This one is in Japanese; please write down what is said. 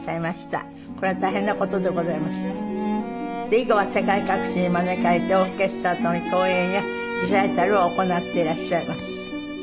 で以後は世界各地に招かれてオーケストラとの共演やリサイタルを行っていらっしゃいます。